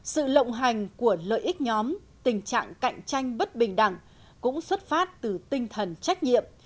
sự lộng hành của lợi ích nhóm tình trạng cạnh tranh bất bình đẳng cũng xuất phát từ tinh thần trách nhiệm